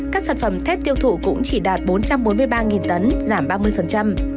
các sản phẩm thép tiêu thụ cũng chỉ đạt bốn trăm bốn mươi ba tấn giảm ba mươi